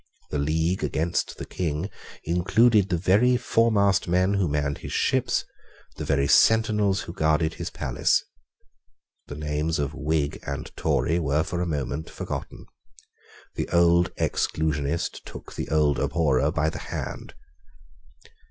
The league against the King included the very foremast men who manned his ships, the very sentinels who guarded his palace. The names of Whig and Tory were for a moment forgotten. The old Exclusionist took the old Abhorrer by the hand.